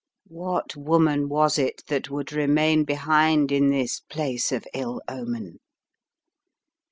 What woman was it that would remain behind in this place of ill omen?